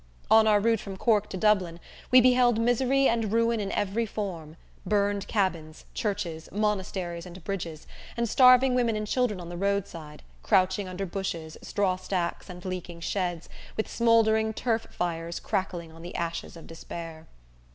On our route from Cork to Dublin we beheld misery and ruin in every form, burned cabins, churches, monasteries and bridges, and starving women and children on the roadside, crouching under bushes, straw stacks and leaking sheds, with smouldering turf fires crackling on the ashes of despair!